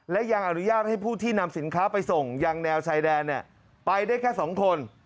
และยังอนุญาตให้ผู้ที่นำสินค้าไปส่งยังแนวชายแดนไปได้แค่๒คน